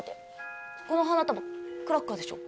この花束クラッカーでしょ？